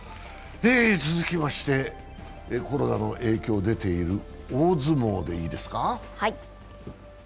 続きまして、コロナの影響が出ている大相撲です。